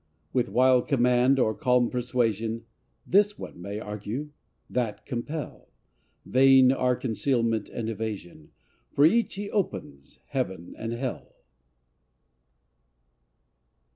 With wild command or calm persuasion This one may argue, that compel: Vain are concealment and evasion For each he opens Heaven and Hell.